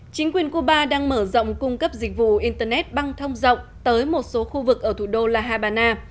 chính quyền cuba đang mở rộng cung cấp dịch vụ internet băng thông rộng tới một số khu vực ở thủ đô la habana